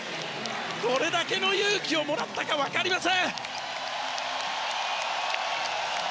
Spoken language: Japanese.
どれだけの勇気をもらったか分かりません。